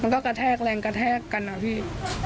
ก็กระแทกแรงกระแทกกันนะพี่